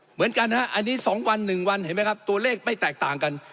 เหมือนกันฮะอันนี้๒วัน๑วันเห็นไหมครับตัวเลขไม่แตกต่างกัน